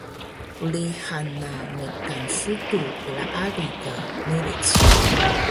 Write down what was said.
Plixan na mekan sudu klaali ka miric